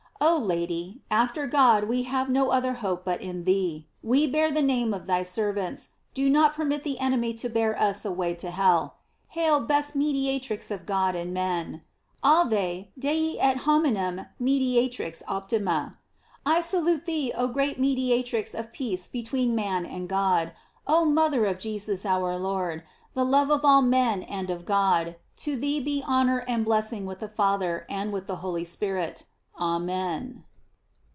Oh Lady, after God we have no other hope but in thee. We bear the name of thy servants, do not permit the enemy to bear us away to hell. Hail, best mediatrix of God and men: Ave, Dei et hominum mediatrix op tima. I salute thee, oh great mediatrix of peace between man and God; oil mother of Jesus our Lord, the love of all men and of God; to thee be honor and blessing with the Father and with the Holy Spirit. Amen.